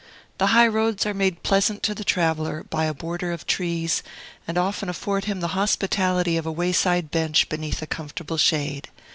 The high roads are made pleasant to the traveller by a border of trees, and often afford him the hospitality of a wayside bench beneath a comfortable shade.